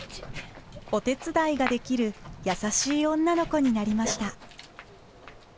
お手伝いができる優しい女の子になりました。